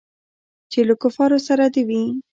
چې له کفارو سره دې وي.